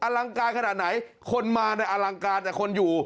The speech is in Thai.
ลังกายขนาดไหนคนมาเนี่ยอลังการแต่คนอยู่